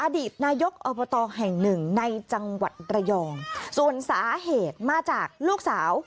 อดีตนายกอบตแห่งหนึ่งในจังหวัดระยองส่วนสาเหตุมาจากลูกสาว